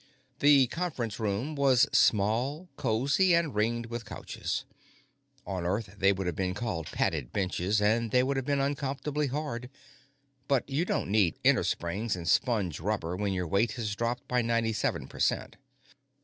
The conference room was small, cozy, and ringed with couches. On Earth, they would have been called padded benches, and they would have been uncomfortably hard, but you don't need innersprings and sponge rubber when your weight has dropped by ninety seven per cent.